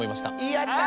やった！